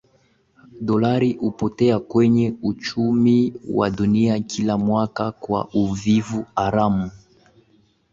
Dolari hupotea kwenye uchumi wa dunia kila mwaka kwa uvuvi haramu